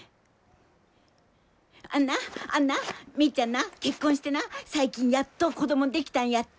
あんなあんなみっちゃんな結婚してな最近やっと子供できたんやって！